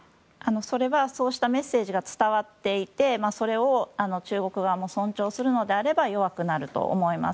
それはそうしたメッセージが伝わっていてそれを中国側も尊重するのであれば弱くなると思います。